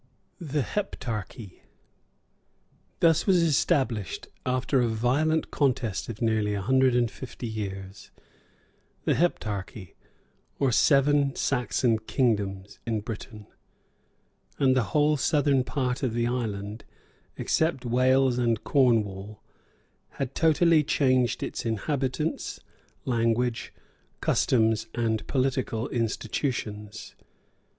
THE HEPTARCHY Thus was established, after a violent contest of near a hundred and fifty years, the Heptarchy, or seven Saxon kingdoms, in Britain; and the whole southern part of the island, except Wales and Cornwall, had totally changed its inhabitants, language, customs, and political institutions.